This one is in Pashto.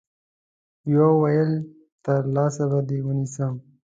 يوه ويل تر لاس به دي ونيسم